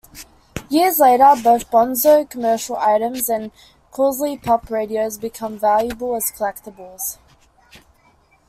Years later, both Bonzo commercial items and Crosley Pup radios became valuable as collectibles.